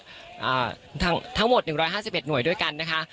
อ่าทั้งหมดหนึ่งร้อยห้าสิบเอ็ดหน่วยด้วยกันนะคะ